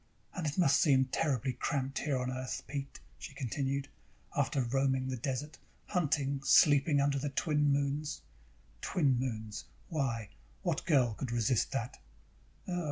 "And it must seem terribly cramped here on Earth, Pete," she continued. "After roaming the desert, hunting, sleeping under the twin moons. Two moons! Why, what girl could resist that?"